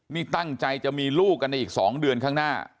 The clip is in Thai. นี่ตั้งใจจะมีลูกกันในอีก๒เดือนข้างหน้า